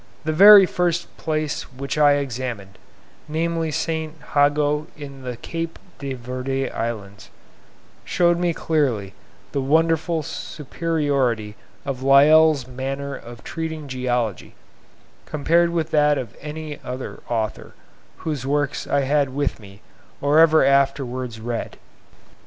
The very first place which I examined, namely St. Jago in the Cape de Verde islands, showed me clearly the wonderful superiority of Lyell's manner of treating geology, compared with that of any other author, whose works I had with me or ever afterwards read.